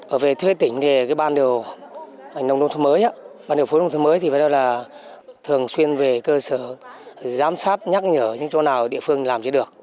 ở về thuê tỉnh ban điều phố nông thôn mới thường xuyên về cơ sở giám sát nhắc nhở những chỗ nào địa phương làm chỉ được